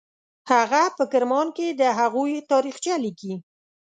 هغه په کرمان کې د هغوی تاریخچه لیکي.